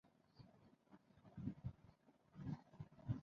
তারা দুই জন একই সঙ্গে আত্মহত্যা করেন।